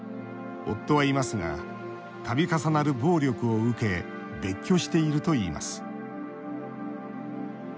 夫はいますがたび重なる暴力を受け別居しているといいます。